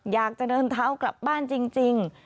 อยากจะเดินเท้ากลับบ้านจริง